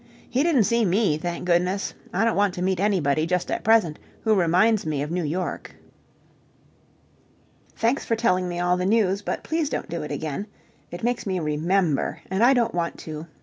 He didn't see me, thank goodness. I don't want to meet anybody just at present who reminds me of New York. Thanks for telling me all the news, but please don't do it again. It makes me remember, and I don't want to.